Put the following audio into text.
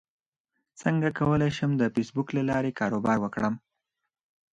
څنګه کولی شم د فېسبوک له لارې کاروبار وکړم